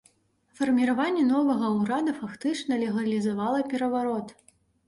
Фарміраванне новага ўрада фактычна легалізавала пераварот.